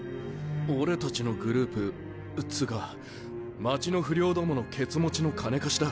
俺たちのグループっつうか町の不良どものケツ持ちの金貸しだ。